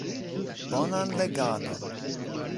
Bonan legadon.